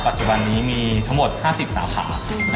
ปัจจุบันนี้มีชม๕๐สาขา